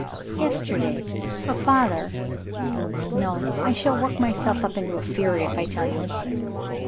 Yesterday, her father no, I shall work myself up into a fury if I tell you about it.